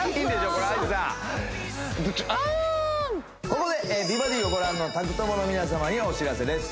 ここで美バディをご覧の宅トモの皆様にお知らせです